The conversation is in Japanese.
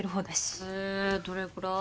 へぇどれくらい？